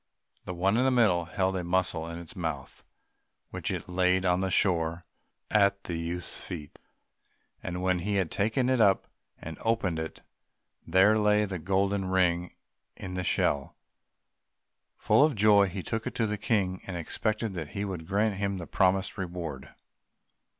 The one in the middle held a mussel in its mouth, which it laid on the shore at the youth's feet, and when he had taken it up and opened it, there lay the gold ring in the shell. Full of joy he took it to the King, and expected that he would grant him the promised reward.